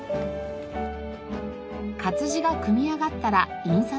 活字が組み上がったら印刷へ。